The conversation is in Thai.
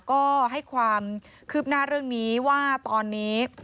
ก็ให้ความคืบหน้าเรื่องนี้ว่าตอนนี้